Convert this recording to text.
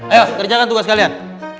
ayo kerjakan tugas kalian